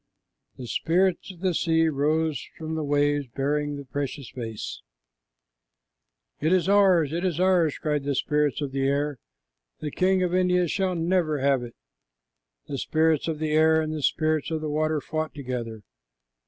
The spirits of the sea rose from the waves bearing the precious vase. "It is ours, it is ours," cried the spirits of the air. "The king of India shall never have it." The spirits of the air and the spirits of the water fought together.